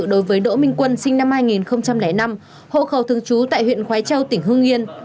đối với đỗ minh quân sinh năm hai nghìn năm hộ khẩu thường trú tại huyện khói châu tỉnh hương yên